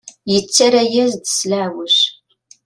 Yettarra-yas-d s leɛweǧ.